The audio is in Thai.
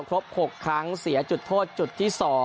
ครบ๖ครั้งเสียจุดโทษจุดที่๒